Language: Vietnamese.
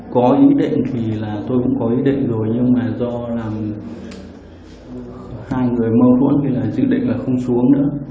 có ý định thì là tôi cũng có ý định rồi nhưng mà do là hai người mâu thuẫn thì là chữ định là không xuống nữa